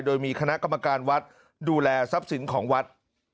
โดยมีคณะกรรมการวัดดูแลทรัพย์สินของวัด